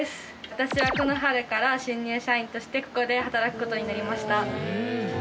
私はこの春から新入社員としてここで働く事になりました。